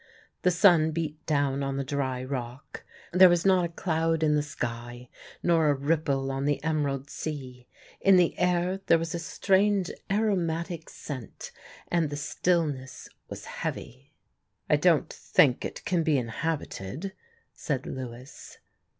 The sun beat down on the dry rock; there was not a cloud in the sky nor a ripple on the emerald sea. In the air there was a strange aromatic scent; and the stillness was heavy. "I don't think it can be inhabited," said Lewis.